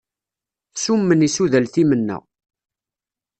Summen isudal timenna.